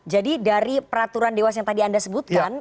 jadi dari peraturan dewas yang tadi anda sebutkan